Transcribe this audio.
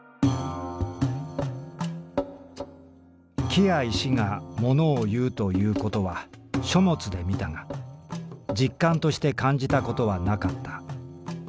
「木や石がものを言うということは書物でみたが実感として感じたことはなかった。